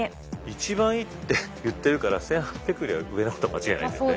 一番いいっていってるから１，８００よりは上なことは間違いないんだよね。